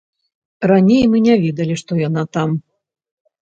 Раней мы не ведалі, што яна там.